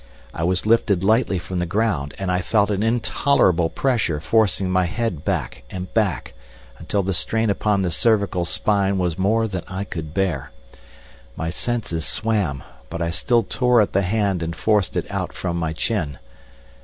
I was lifted lightly from the ground, and I felt an intolerable pressure forcing my head back and back until the strain upon the cervical spine was more than I could bear. My senses swam, but I still tore at the hand and forced it out from my chin.